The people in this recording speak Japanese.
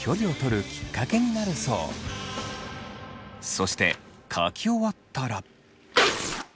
そして書き終わったら。